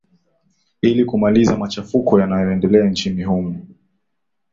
ili kumaliza machafuko yanayo endelea nchini humo